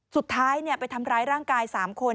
สุดท้ายไปทำร้ายร่างกาย๓คน